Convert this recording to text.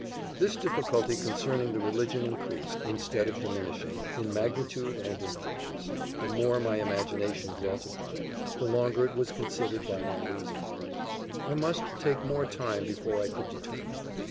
This difficulty concerning religion increased, instead of diminishing, in magnitude and importance, the more my imagination dwelt upon it the longer it was considered by my reason: I must take more time before I could determine.